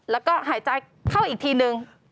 แล้วก็หายใจเข้าอีกทีนึง